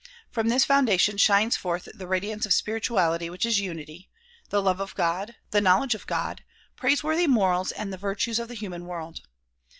From this foundation shines forth the radiance of spirituality which is unity, the love of God, the knowledge of God, praiseworthy morals and the virtues of the human world.